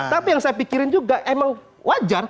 tapi yang saya pikirin juga emang wajar